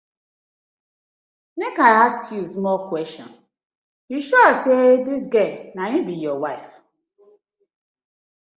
Mek I ask yu small question, yu sure say dis gal na im be yur wife?